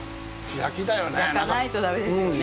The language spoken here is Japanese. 焼かないとだめですよね。